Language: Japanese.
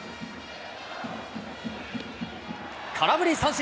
空振り三振。